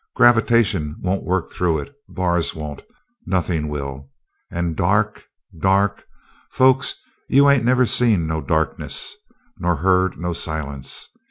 Gravitation won't work through it bars won't nothing will. And dark? Dark! Folks, you ain't never seen no darkness, nor heard no silence.